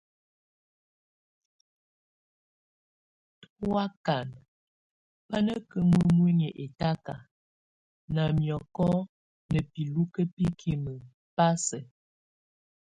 Tu ákan bá nakʼ imuiny ɛtáka, na miɔkɔ na bilúke bikimek, bá sɛ.